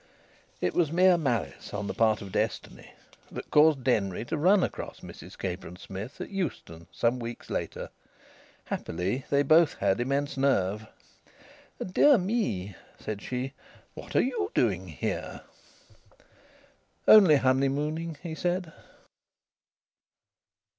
It was mere malice on the part of destiny that caused Denry to run across Mrs Capron Smith at Euston some weeks later. Happily they both had immense nerve. "Dear me," said she. "What are you doing here?" "Only honeymooning," he said.